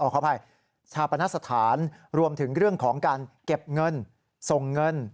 ขออภัยชาปนสถานรวมถึงเรื่องของการเก็บเงินส่งเงิน